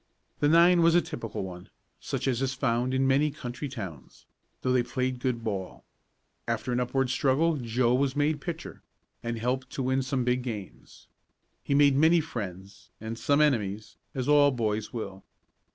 The nine was a typical one, such as is found in many country towns, though they played good ball. After an upward struggle Joe was made pitcher, and helped to win some big games. He made many friends, and some enemies, as all boys will.